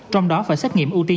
trong đó phải xét nghiệm ưu tiên